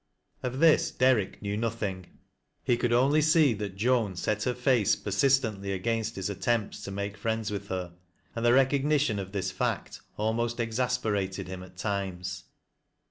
Of this, Derrick knew nothing. He could only see that Joan set her face persistently against his attempts to make friends with her, and the recognition of this fact almost exasperated him at times.